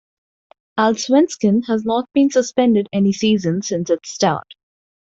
Allsvenskan has not been suspended any season since its start.